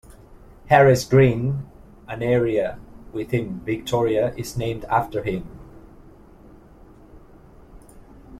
Harris Green, an area within Victoria, is named after him.